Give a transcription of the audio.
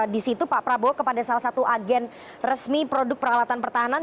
di situ pak prabowo kepada salah satu agen resmi produk peralatan pertahanan